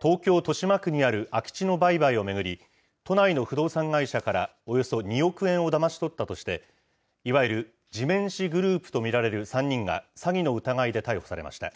東京・豊島区にある空き地の売買を巡り、都内の不動産会社からおよそ２億円をだまし取ったとして、いわゆる地面師グループと見られる３人が、詐欺の疑いで逮捕されました。